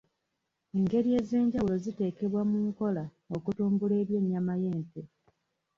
Engeri ez'enjawulo ziteekebwa mu nkola okutumbula eby'ennyama y'ente.